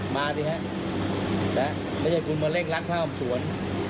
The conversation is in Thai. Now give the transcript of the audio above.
ไม่ใช่คุณมาเร่งรักภาพส่วน